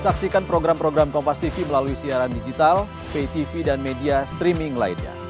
saksikan program program kompastv melalui siaran digital ptv dan media streaming lainnya